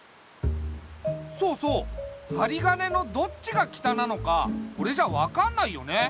そうそうはりがねのどっちが北なのかこれじゃ分かんないよね。